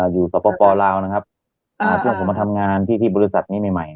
อยู่สปลลาวนะครับอ่าที่ผมมาทำงานที่บริษัทนี้ใหม่